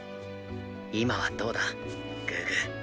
今はどうだグーグー。